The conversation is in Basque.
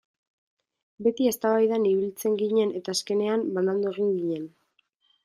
Beti eztabaidan ibiltzen ginen eta azkenean banandu egin ginen.